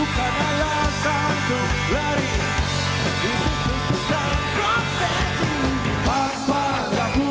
papan mungkin seminggu di bali